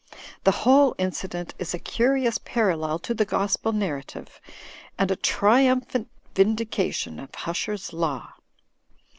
The whole incident is a curious parallel to the Gospel nar rative and a triumphant vindication of Huscher's law.'